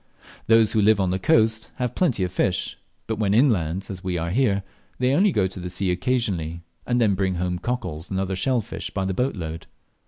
Those who live on the coast have plenty of fish; but when inland, as we are here, they only go to the sea occasionally, and then bring home cockles and other shell fish by the boatload.